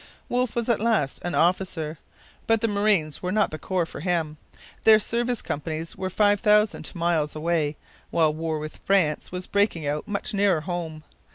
Wolfe was at last an officer. But the Marines were not the corps for him. Their service companies were five thousand miles away, while war with France was breaking out much nearer home.